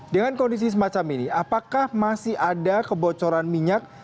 dengan kondisi semacam ini apakah masih ada kebocoran minyak